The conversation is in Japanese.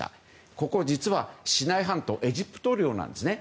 ここ実はシナイ半島エジプト領なんですね。